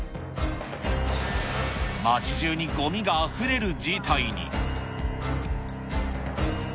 街じゅうにごみがあふれる事態に。